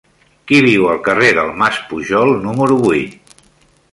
Qui viu al carrer del Mas Pujol número vuit?